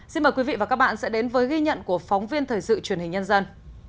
xin mời quý vị và các bạn sẽ đến với ghi nhận của phóng viên thời sự truyền hình nhân dân